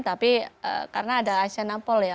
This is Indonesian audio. tapi karena ada aisyah napol ya